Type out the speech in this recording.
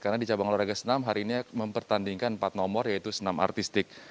karena di cabang olahraga senam hari ini mempertandingkan empat nomor yaitu senam artistik